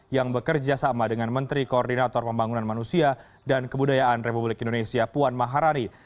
yang bekerja sama dengan menteri koordinator pembangunan manusia dan kebudayaan republik indonesia puan maharani